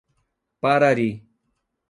Parari